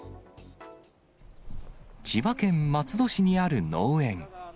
千葉県松戸市にある農園。